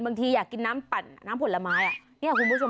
บางทีอยากกินน้ำปั่นน้ำผลไม้อ่ะเนี่ยคุณผู้ชม